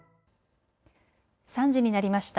３時になりました。